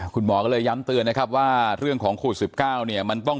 คุณหมอก็เลยย้ำเตือนนะครับว่าเรื่องของโควิด๑๙เนี่ยมันต้อง